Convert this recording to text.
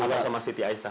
atau sama siti aisyah